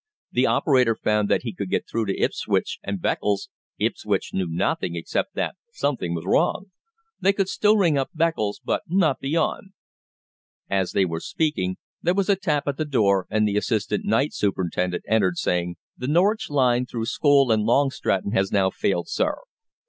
The operator found that he could get through to Ipswich and Beccles. Ipswich knew nothing, except that something was wrong. They could still ring up Beccles, but not beyond." As they were speaking, there was a tap at the door, and the assistant night superintendent entered, saying: "The Norwich line through Scole and Long Stratton has now failed, sir.